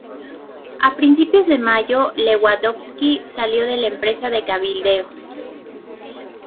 A principios de mayo, Lewandowski salió de la empresa de cabildeo.